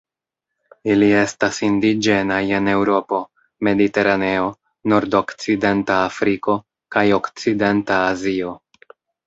Ili estas indiĝenaj en Eŭropo, Mediteraneo, nordokcidenta Afriko kaj okcidenta Azio.